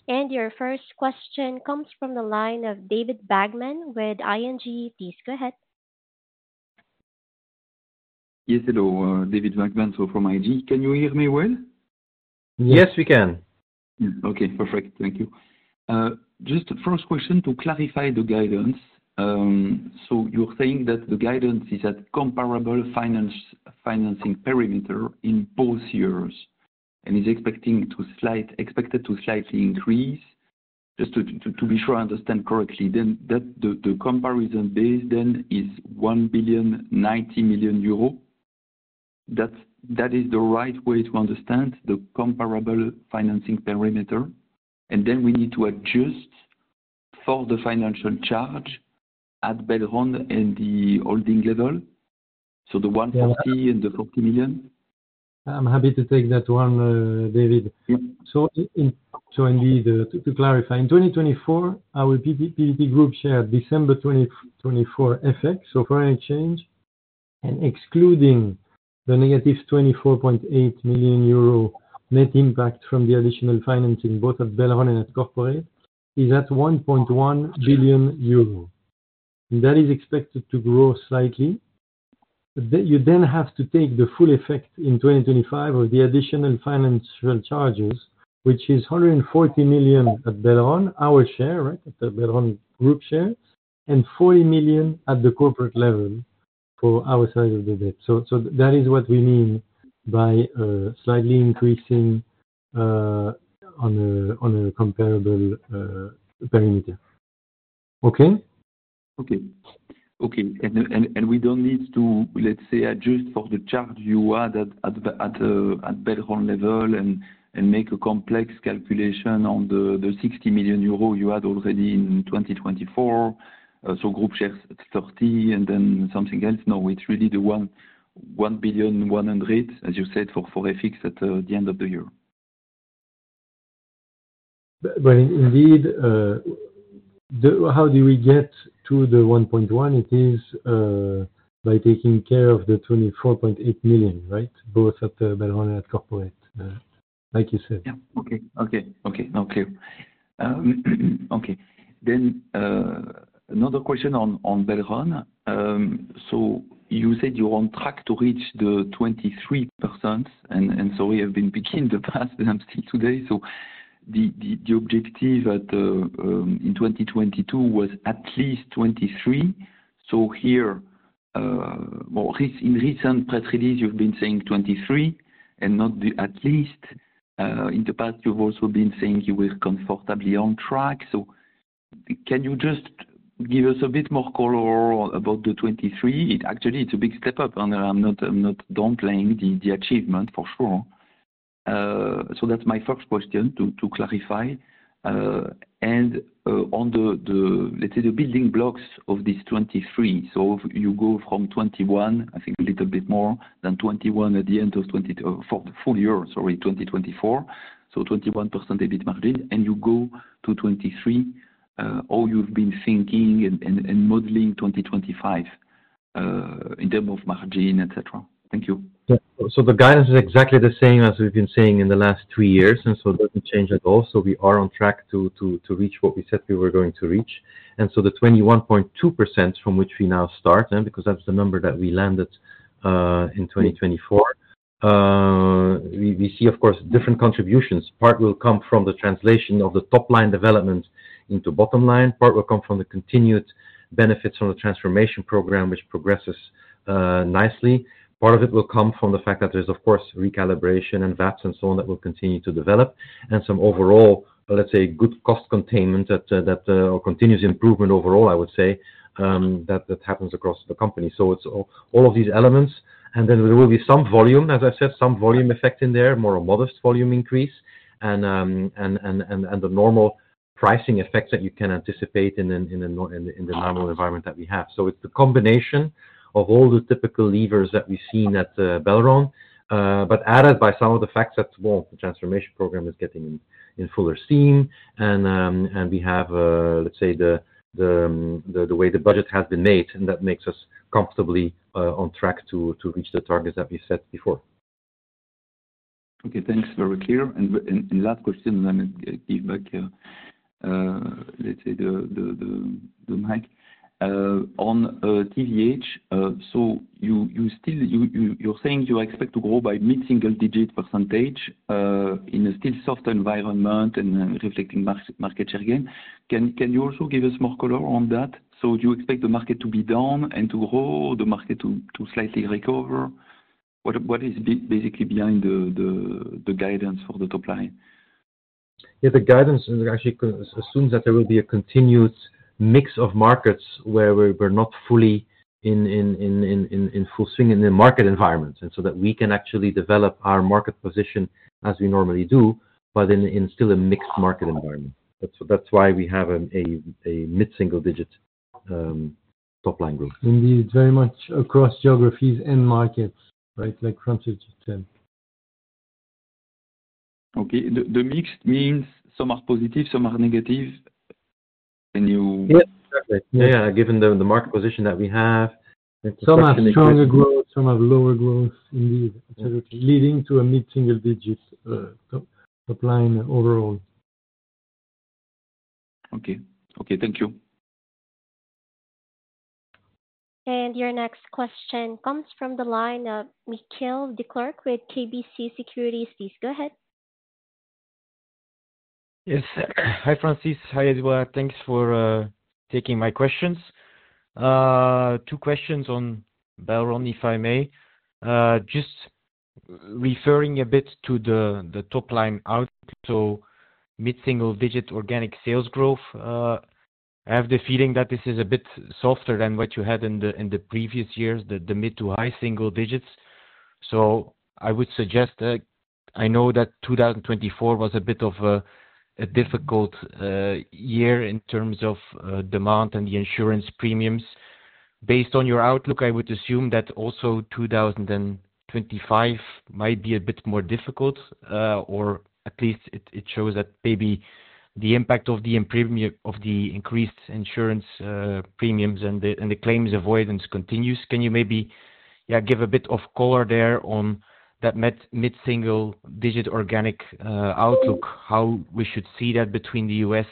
Your first question comes from the line of David Vagman with ING. Please go ahead. Yes, hello, David Vagman. From ING. Can you hear me well? Yes, we can. Okay, perfect. Thank you. Just the first question to clarify the guidance. You are saying that the guidance is at comparable financing perimeter in both years and is expected to slightly increase. Just to be sure I understand correctly, then the comparison base then is 1.9 billion. That is the right way to understand the comparable financing perimeter. And then we need to adjust for the financial charge at Belron and the holding level. So the 140 and the 40 million. I am happy to take that one, David. Indeed, to clarify, in 2024, our PBT group share at December 2024 FX, so foreign exchange, and excluding the -24.8 million euro net impact from the additional financing, both at Belron and at corporate, is at 1.1 billion euro. That is expected to grow slightly. You then have to take the full effect in 2025 of the additional financial charges, which is 140 million at Belron, our share, right, at the Belron group share, and 40 million at the corporate level for our side of the debt. That is what we mean by slightly increasing, on a comparable perimeter. Okay? Okay. We do not need to, let's say, adjust for the charge you add at Belron level and make a complex calculation on the 60 million euro you had already in 2024. Group shares at 30 and then something else. No, it's really the one 1.1 billion, as you said, for FX at the end of the year. Indeed, how do we get to the 1.1 billion? It is by taking care of the 24.8 million, right, both at Belron and at corporate, like you said. Yeah. Okay. Okay. Okay. Okay. Then, another question on Belron. You said you want track to reach the 23%. And so we have been picking the path and I'm still today. The objective in 2022 was at least 23%. Here, in recent press release, you've been saying 23% and not at least. In the past, you've also been saying you were comfortably on track. Can you just give us a bit more color about the 23%? Actually, it's a big step up. I'm not downplaying the achievement, for sure. That's my first question to clarify. On the, let's say, the building blocks of this 23%. You go from 21%, I think a little bit more than 21% at the end of 2024 for the full year, sorry, 2024. So 21% debit margin. You go to 23%, or you've been thinking and modeling 2025 in terms of margin, etc. Thank you. Yeah. The guidance is exactly the same as we've been seeing in the last three years. It doesn't change at all. We are on track to reach what we said we were going to reach. The 21.2% from which we now start, because that's the number that we landed in 2024, we see, of course, different contributions. Part will come from the translation of the top line development into bottom line. Part will come from the continued benefits from the transformation program, which progresses nicely. Part of it will come from the fact that there is, of course, recalibration and VATs and so on that will continue to develop. Some overall, let's say, good cost containment that continues improvement overall, I would say, that happens across the company. It is all of these elements. There will be some volume, as I said, some volume effect in there, more a modest volume increase, and the normal pricing effects that you can anticipate in the normal environment that we have. It is the combination of all the typical levers that we've seen at Belron, but added by some of the facts that, well, the transformation program is getting in fuller steam. And we have, let's say, the way the budget has been made, and that makes us comfortably on track to reach the targets that we set before. Okay. Thanks. Very clear. And last question, and then I give back, let's say, the mic. On TVH, you are saying you expect to grow by mid single digit percentage, in a still soft environment and reflecting market share gain. Can you also give us more color on that? Do you expect the market to be down and to grow, the market to slightly recover? What is basically behind the guidance for the top line? Yeah, the guidance actually assumes that there will be a continued mix of markets where we're not fully in full swing in the market environment, and so that we can actually develop our market position as we normally do, but in still a mixed market environment. That's why we have a mid single digit, top line group. Indeed, very much across geographies and markets, right, like Francis just said. Okay. The mixed means some are positive, some are negative. Can you? Yeah, exactly. Yeah, given the market position that we have. Some have stronger growth, some have lower growth, indeed, etc., leading to a mid single digit, top line overall. Okay. Okay. Thank you. Your next question comes from the line of Michiel Declercq with KBC Securities. Please go ahead. Yes. Hi, Francis. Hi as well. Thanks for taking my questions. Two questions on Belron, if I may. Just referring a bit to the top line output, so mid single digit organic sales growth. I have the feeling that this is a bit softer than what you had in the previous years, the mid to high single digits. I would suggest, I know that 2024 was a bit of a difficult year in terms of demand and the insurance premiums. Based on your outlook, I would assume that also 2025 might be a bit more difficult, or at least it shows that maybe the impact of the increased insurance premiums and the claims avoidance continues. Can you maybe, yeah, give a bit of color there on that mid single digit organic outlook, how we should see that between the U.S.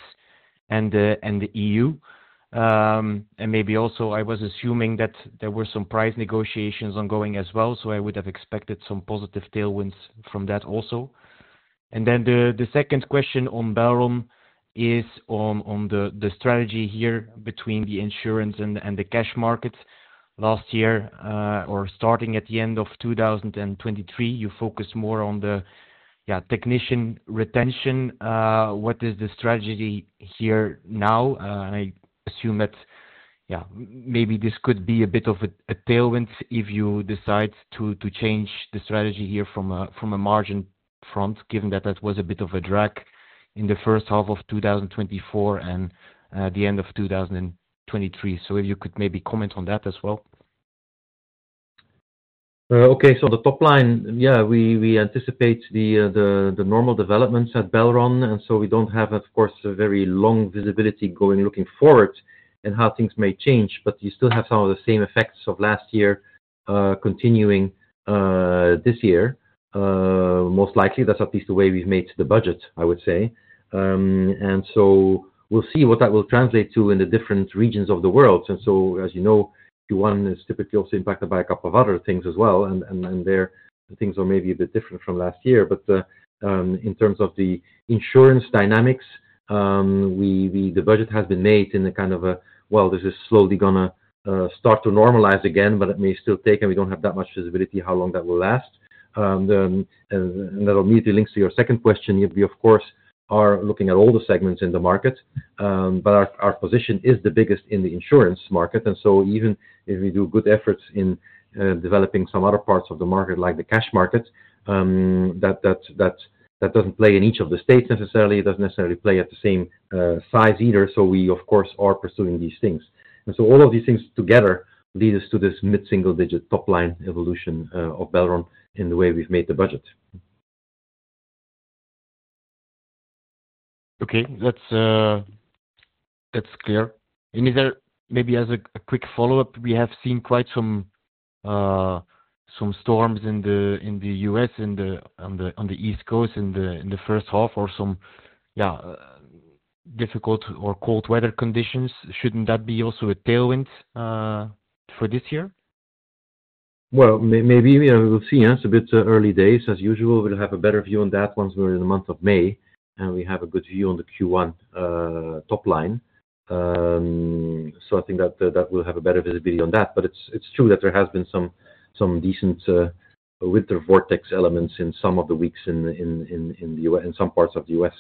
and the EU? Maybe also I was assuming that there were some price negotiations ongoing as well, so I would have expected some positive tailwinds from that also. The second question on Belron is on the strategy here between the insurance and the cash market. Last year, or starting at the end of 2023, you focused more on the, yeah, technician retention. What is the strategy here now? I assume that, yeah, maybe this could be a bit of a tailwind if you decide to change the strategy here from a margin front, given that that was a bit of a drag in the first half of 2024 and the end of 2023. If you could maybe comment on that as well. Okay. The top line, yeah, we anticipate the normal developments at Belron. We do not have, of course, a very long visibility looking forward and how things may change, but you still have some of the same effects of last year continuing this year. Most likely, that's at least the way we've made the budget, I would say. We will see what that will translate to in the different regions of the world. As you know, one is typically also impacted by a couple of other things as well. There, things are maybe a bit different from last year. In terms of the insurance dynamics, the budget has been made in a kind of a, well, this is slowly going to start to normalize again, but it may still take, and we do not have that much visibility how long that will last. That immediately links to your second question. We, of course, are looking at all the segments in the market, but our position is the biggest in the insurance market. Even if we do good efforts in developing some other parts of the market, like the cash market, that does not play in each of the states necessarily. It does not necessarily play at the same size either. We, of course, are pursuing these things. All of these things together lead us to this mid single digit top line evolution of Belron in the way we've made the budget. Okay, that's clear. Is there maybe, as a quick follow-up, we have seen quite some storms in the U.S. and on the East Coast in the first half, or some difficult or cold weather conditions. Shouldn't that be also a tailwind for this year? Maybe we'll see. It's a bit early days. As usual, we'll have a better view on that once we're in the month of May, and we have a good view on the Q1 top line. I think that will have a better visibility on that. It's true that there has been some decent, winter vortex elements in some of the weeks in the U.S. in some parts of the U.S.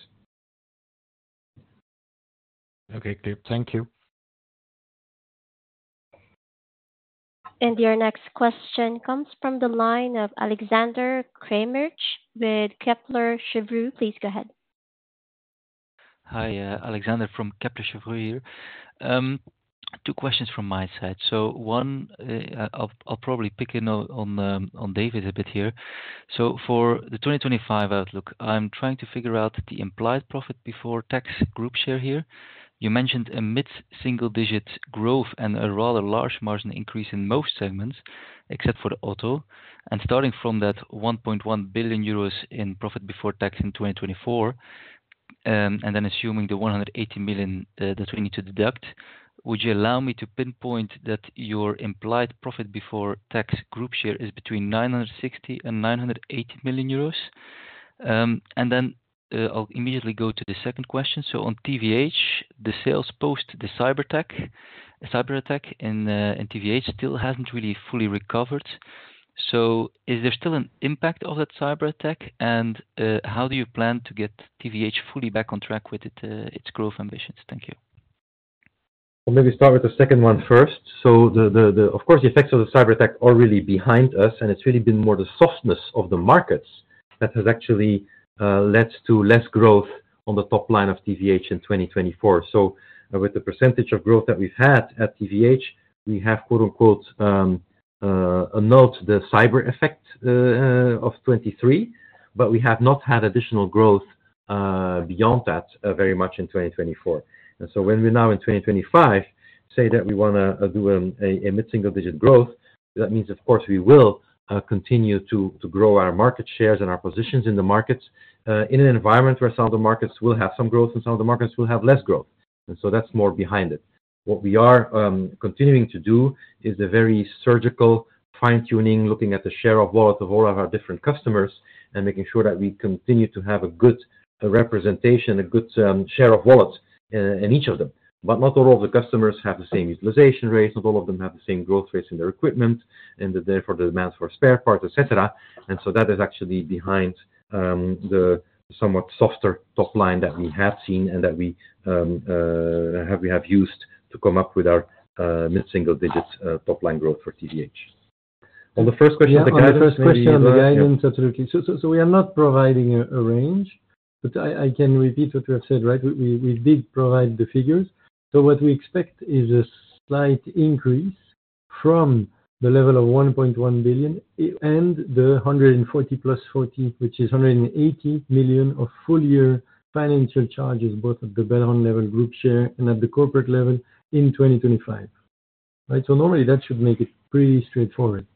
Okay. Great. Thank you. Your next question comes from the line of Alexander Craeymeersch with Kepler Cheuvreux. Please go ahead. Hi, Alexander from Kepler Cheuvreux here. Two questions from my side. One, I'll probably pick in on David a bit here. For the 2025 outlook, I'm trying to figure out the implied profit before tax group share here. You mentioned a mid single digit growth and a rather large margin increase in most segments, except for the auto. Starting from that 1.1 billion euros in profit before tax in 2024, and then assuming the 180 million that we need to deduct, would you allow me to pinpoint that your implied profit before tax group share is between 960 million and 980 million euros? I'll immediately go to the second question. On TVH, the sales post the cyber attack in TVH still hasn't really fully recovered. Is there still an impact of that cyber attack? How do you plan to get TVH fully back on track with its growth ambitions? Thank you. Maybe start with the second one first. The effects of the cyber attack are really behind us, and it's really been more the softness of the markets that has actually led to less growth on the top line of TVH in 2024. With the percentage of growth that we've had at TVH, we have, quote unquote, a note, the cyber effect of 2023, but we have not had additional growth beyond that very much in 2024. When we're now in 2025, say that we want to do a mid single digit growth, that means, of course, we will continue to grow our market shares and our positions in the markets, in an environment where some of the markets will have some growth and some of the markets will have less growth. That's more behind it. What we are continuing to do is a very surgical fine-tuning, looking at the share of wallet of all of our different customers and making sure that we continue to have a good representation, a good share of wallet in each of them. Not all of the customers have the same utilization rate. Not all of them have the same growth rates in their equipment, and therefore the demand for spare parts, etc. That is actually behind the somewhat softer top line that we have seen and that we have used to come up with our mid single digit top line growth for TVH. On the first question of the guidance, absolutely. We are not providing a range, but I can repeat what you have said, right? We did provide the figures. What we expect is a slight increase from the level of 1.1 billion and the 140 billion+EUR 40 billion, which is 180 million of full year financial charges, both at the Belron level group share and at the corporate level in 2025, right? Normally that should make it pretty straightforward.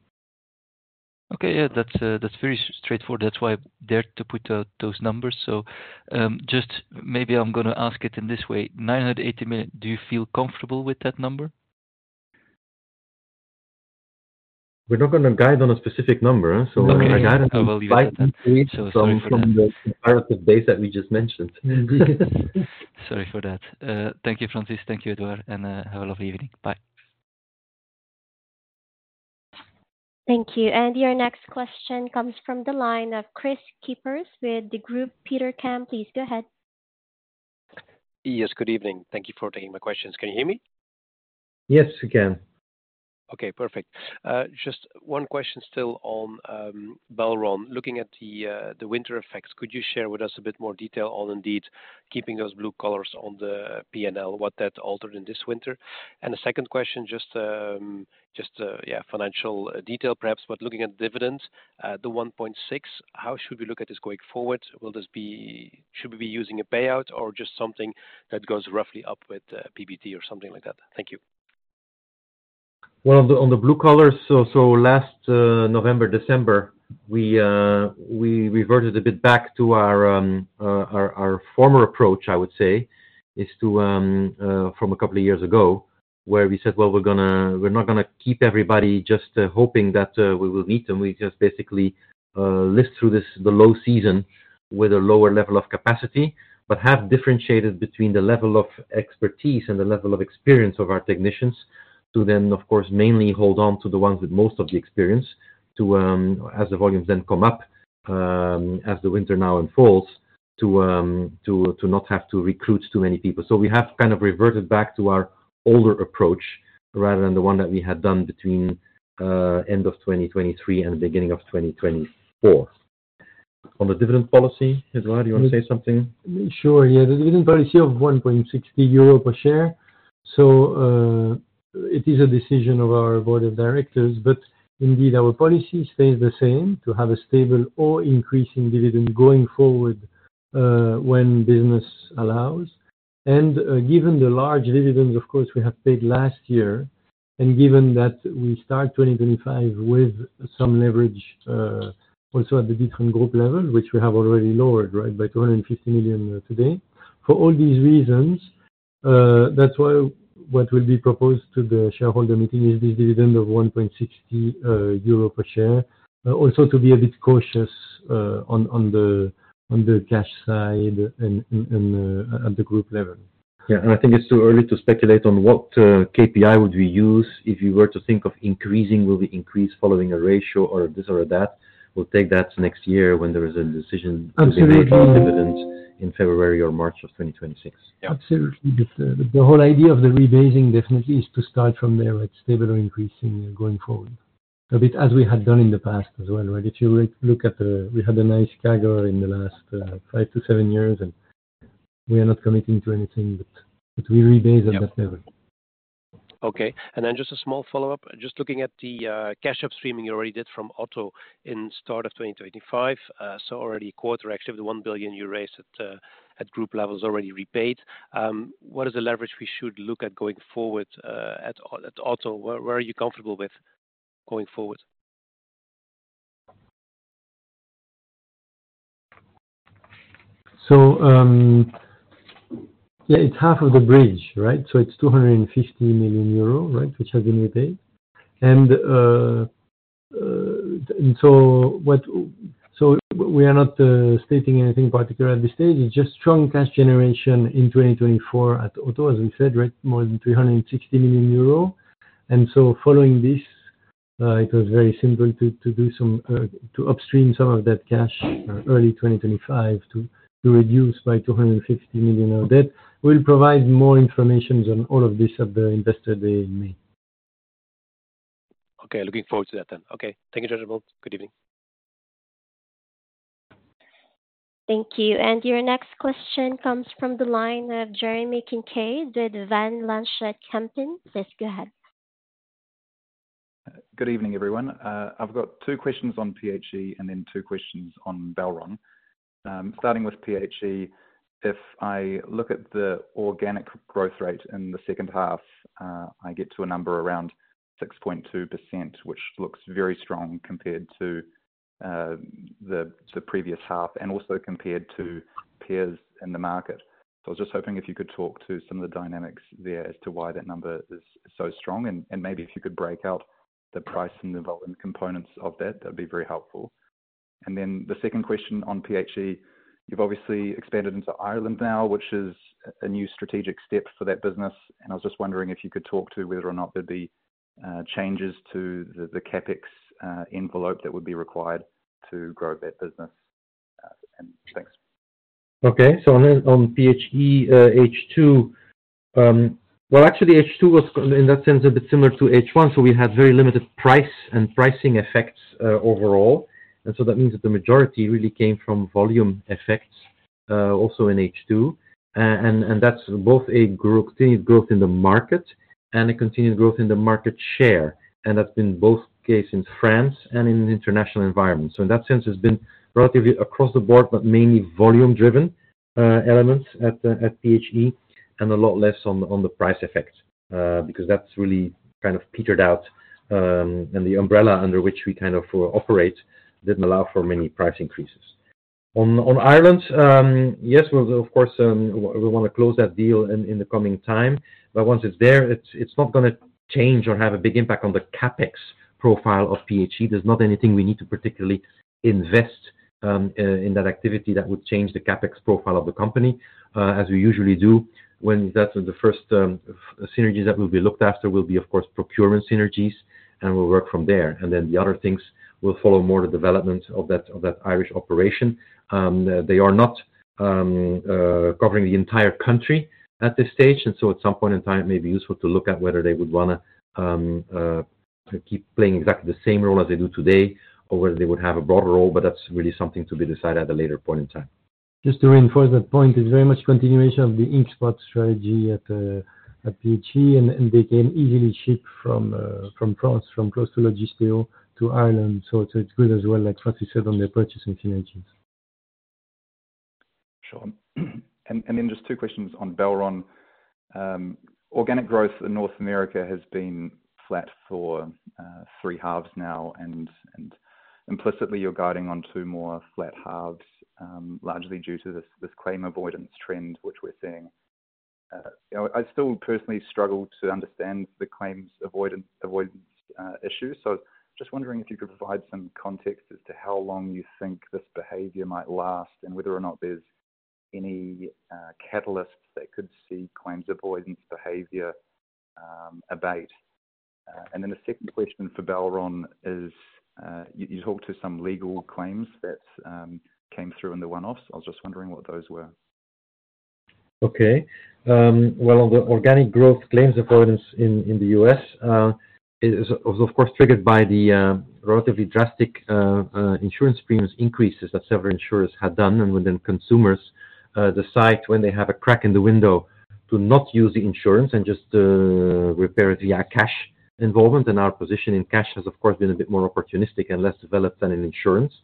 Okay. Yeah, that's very straightforward. That's why I dared to put out those numbers. Just maybe I'm going to ask it in this way. 980 million, do you feel comfortable with that number? We're not going to guide on a specific number, so I guide on the fight. From the comparative base that we just mentioned. Sorry for that. Thank you, Francis. Thank you, Édouard, and have a lovely evening. Bye. Thank you. Your next question comes from the line of Kris Kippers with Degroof Petercam. Please go ahead. Yes. Good evening. Thank you for taking my questions. Can you hear me? Yes, I can. Okay. Perfect. Just one question still on Belron. Looking at the winter effects, could you share with us a bit more detail on indeed keeping those blue colors on the P&L, what that altered in this winter? A second question, just, yeah, financial detail perhaps, but looking at dividends, the 1.6, how should we look at this going forward? Will this be, should we be using a payout or just something that goes roughly up with PBT or something like that? Thank you. On the blue colors, last November, December, we reverted a bit back to our former approach, I would say, from a couple of years ago where we said, we are not going to keep everybody just hoping that we will meet them. We just basically live through this, the low season with a lower level of capacity, but have differentiated between the level of expertise and the level of experience of our technicians to then, of course, mainly hold on to the ones with most of the experience to, as the volumes then come up, as the winter now unfolds, to not have to recruit too many people. We have kind of reverted back to our older approach rather than the one that we had done between end of 2023 and the beginning of 2024. On the dividend policy, Édouard, do you want to say something? Sure. Yeah. The dividend policy of 1.60 euro per share. It is a decision of our board of directors, but indeed our policy stays the same to have a stable or increasing dividend going forward, when business allows. Given the large dividends, of course, we have paid last year, and given that we start 2025 with some leverage, also at the different group level, which we have already lowered, right, by 250 million today. For all these reasons, that's why what will be proposed to the shareholder meeting is this dividend of 1.60 euro per share, also to be a bit cautious on the cash side and at the group level. Yeah. I think it's too early to speculate on what KPI would we use if we were to think of increasing, will we increase following a ratio or this or that? We'll take that next year when there is a decision to be on dividends in February or March of 2026. Yeah. Absolutely. The whole idea of the rebasing definitely is to start from there, right, stable or increasing going forward. A bit as we had done in the past as well, right? If you look at the we had a nice CAGR in the last five to seven years, and we are not committing to anything, but we rebase at that level. Okay. Just a small follow-up. Just looking at the cash upstreaming you already did from Auto in start of 2025, so already a quarter actually of the 1 billion you raised at group level is already repaid. What is the leverage we should look at going forward, at Auto? Where are you comfortable with going forward? Yeah, it's half of the bridge, right? So it's 250 million euro, right, which has been repaid. We are not stating anything particular at this stage. It's just strong cash generation in 2024 at Auto, as we said, right, more than 360 million euro. Following this, it was very simple to upstream some of that cash early 2025 to reduce by 250 million. We will provide more information on all of this at the investor day in May. Okay. Looking forward to that then. Okay. Thank you, gentlemen. Good evening. Thank you. Your next question comes from the line of Jeremy Kincaid with Van Lanschot Kempen. Please go ahead. Good evening, everyone. I've got two questions on PHE and then two questions on Belron. Starting with PHE, if I look at the organic growth rate in the second half, I get to a number around 6.2%, which looks very strong compared to the previous half and also compared to peers in the market. I was just hoping if you could talk to some of the dynamics there as to why that number is so strong. Maybe if you could break out the price and the volume components of that, that would be very helpful. The second question on PHE, you've obviously expanded into Ireland now, which is a new strategic step for that business. I was just wondering if you could talk to whether or not there would be changes to the CapEx envelope that would be required to grow that business. Thanks. Okay. On PHE, H2 was in that sense a bit similar to H1. We had very limited price and pricing effects overall. That means that the majority really came from volume effects, also in H2. That is both a continued growth in the market and a continued growth in the market share. That has been both the case in France and in the international environment. In that sense, it has been relatively across the board, but mainly volume-driven elements at PHE and a lot less on the price effect, because that has really kind of petered out. The umbrella under which we operate did not allow for many price increases. On Ireland, yes, of course, we want to close that deal in the coming time. Once it's there, it's not going to change or have a big impact on the CapEx profile of PHE. There's not anything we need to particularly invest in that activity that would change the CapEx profile of the company, as we usually do. The first synergies that will be looked after will be, of course, procurement synergies, and we'll work from there. The other things will follow more the development of that Irish operation. They are not covering the entire country at this stage. At some point in time, it may be useful to look at whether they would want to keep playing exactly the same role as they do today or whether they would have a broader role. That's really something to be decided at a later point in time. Just to reinforce that point, it's very much continuation of the ink spot strategy at PHE. And they can easily ship from France, from close to Logisteo to Ireland. So it's good as well, like Francis said, on their purchasing synergies. Sure. And then just two questions on Belron. Organic growth in North America has been flat for three halves now. And implicitly, you're guiding on to more flat halves, largely due to this claim avoidance trend, which we're seeing. I still personally struggle to understand the claims avoidance issue. So I was just wondering if you could provide some context as to how long you think this behavior might last and whether or not there's any catalysts that could see claims avoidance behavior abate. And then the second question for Belron is, you talked to some legal claims that came through in the one-offs. I was just wondering what those were. Okay. On the organic growth claims avoidance in the U.S., it is of course triggered by the relatively drastic insurance premiums increases that several insurers had done. When consumers decide when they have a crack in the window to not use the insurance and just repair it via cash involvement, then our position in cash has, of course, been a bit more opportunistic and less developed than in insurance.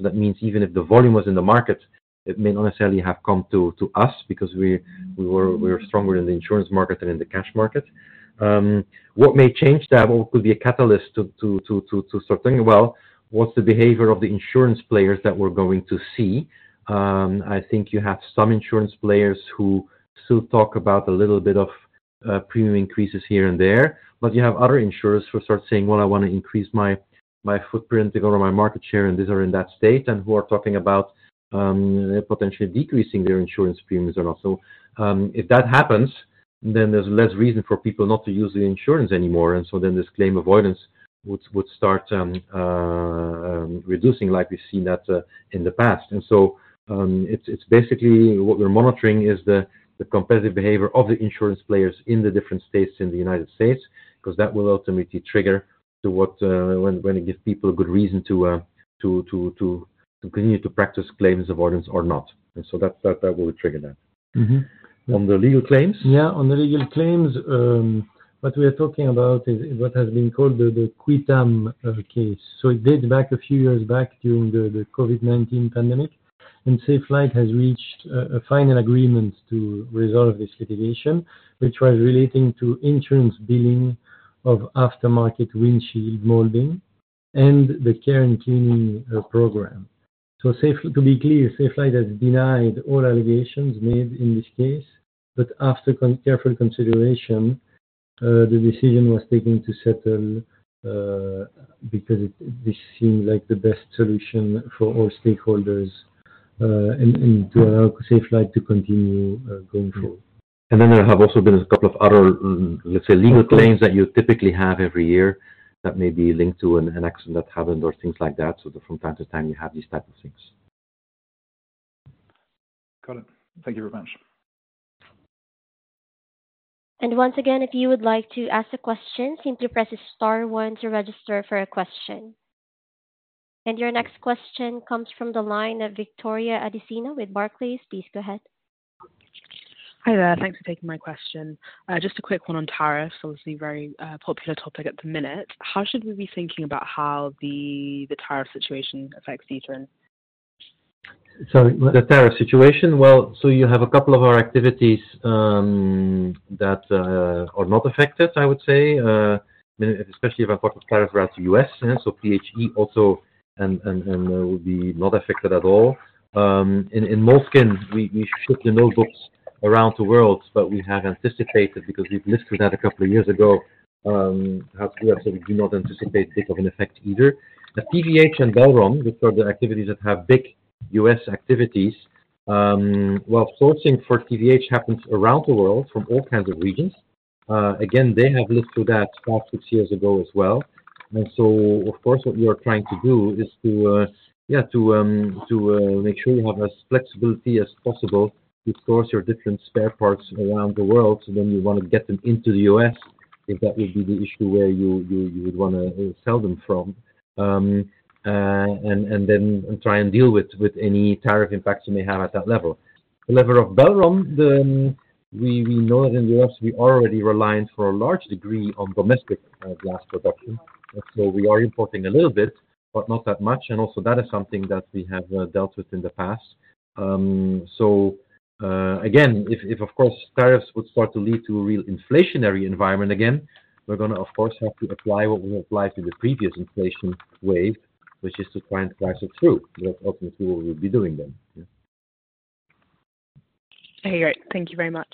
That means even if the volume was in the market, it may not necessarily have come to us because we were stronger in the insurance market than in the cash market. What may change that or could be a catalyst to start thinking, well, what's the behavior of the insurance players that we're going to see? I think you have some insurance players who still talk about a little bit of premium increases here and there. You have other insurers who start saying, well, I want to increase my footprint, to go on my market share, and these are in that state and who are talking about potentially decreasing their insurance premiums or not. If that happens, then there's less reason for people not to use the insurance anymore. That claim avoidance would start reducing like we've seen that in the past. It's basically what we're monitoring is the competitive behavior of the insurance players in the different states in the United States because that will ultimately trigger to what, when it gives people a good reason to continue to practice claims avoidance or not. That will trigger that. Mm-hmm. On the legal claims? Yeah. On the legal claims, what we are talking about is what has been called the Qui Tam case. It dates back a few years back during the COVID-19 pandemic. Safelite has reached a final agreement to resolve this litigation, which was relating to insurance billing of aftermarket windshield molding and the care and cleaning program. To be clear, Safelite has denied all allegations made in this case. After careful consideration, the decision was taken to settle, because this seemed like the best solution for all stakeholders, and to allow Safelite to continue going forward. There have also been a couple of other, let's say, legal claims that you typically have every year that may be linked to an accident that happened or things like that. From time to time, you have these type of things. Got it. Thank you very much. Once again, if you would like to ask a question, simply press star one to register for a question. Your next question comes from the line of Victoria Adesina with Barclays. Please go ahead. Hi there. Thanks for taking my question. Just a quick one on tariffs. Obviously, very popular topic at the minute. How should we be thinking about how the tariff situation affects D'Ieteren? Sorry. The tariff situation? You have a couple of our activities that are not affected, I would say, especially if I'm talking tariff rates U.S., so PHE also and will be not affected at all. In Moleskine, we ship the notebooks around the world, but we have anticipated because we listed that a couple of years ago, how to do that. We do not anticipate a bit of an effect either. TVH and Belron, which are the activities that have big U.S. activities, sourcing for TVH happens around the world from all kinds of regions. They have looked to that five, six years ago as well. Of course, what you're trying to do is to make sure you have as much flexibility as possible to source your different spare parts around the world. Then you want to get them into the U.S. if that would be the issue where you would want to sell them from, and then try and deal with any tariff impacts you may have at that level. At the level of Belron, we know that in the U.S., we are already reliant for a large degree on domestic glass production. We are importing a little bit, but not that much. Also, that is something that we have dealt with in the past. Again, if, of course, tariffs would start to lead to a real inflationary environment again, we are going to, of course, have to apply what we applied to the previous inflation wave, which is to try and price it through. That is ultimately what we will be doing then. Okay. Great. Thank you very much.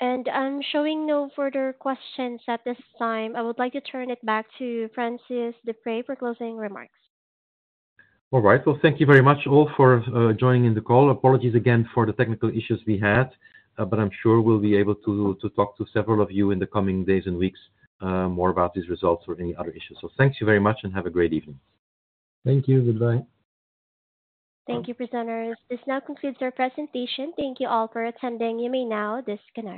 I'm showing no further questions at this time. I would like to turn it back to Francis Deprez for closing remarks. All right. Thank you very much all for joining in the call. Apologies again for the technical issues we had, but I'm sure we'll be able to talk to several of you in the coming days and weeks, more about these results or any other issues. Thank you very much and have a great evening. Thank you. Goodbye. Thank you, presenters. This now concludes our presentation. Thank you all for attending. You may now disconnect.